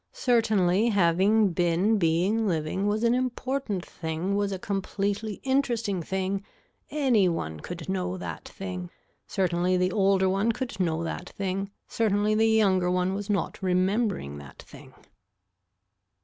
Certainly having been being living was an important thing was a completely interesting thing, any one could know that thing, certainly the older one could know that thing, certainly the younger one was not remembering that thing.